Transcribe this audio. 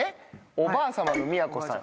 おばあ様の都さん。